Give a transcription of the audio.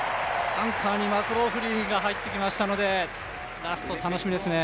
アンカーにマクローフリンが入ってきましたので、ラスト、楽しみですね。